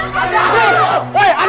jadi ini juga